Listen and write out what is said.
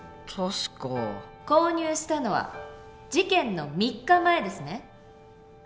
購入したのは事件の３日前ですね？